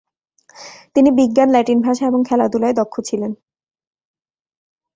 তিনি বিজ্ঞান, ল্যাটিন ভাষা এবং খেলাধুলায় দক্ষ ছিলেন।